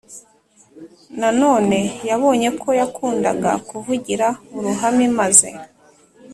Nanone yabonye ko yakundaga kuvugira mu ruhame maze